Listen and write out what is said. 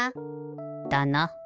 だな。